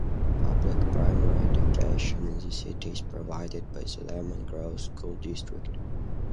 Public primary education in the city is provided by the Lemon Grove School District.